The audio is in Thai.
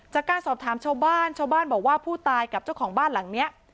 จากการสอบถามชาวบ้านชาวบ้านบอกว่าผู้ตายกับเจ้าของบ้านหลังนี้